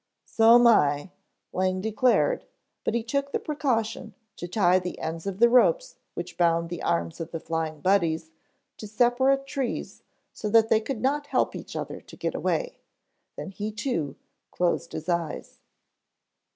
"So'm I," Lang declared, but he took the precaution to tie the ends of the ropes which bound the arms of the Flying Buddies to separate trees so that they could not help each other to get away, then he, too, closed his eyes.